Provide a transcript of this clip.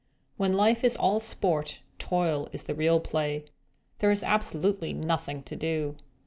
When life is all sport, toil is the real play. There was absolutely nothing to do.